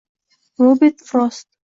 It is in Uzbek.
Robert Frost